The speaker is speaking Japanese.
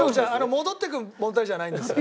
戻っていく問題じゃないんですよ。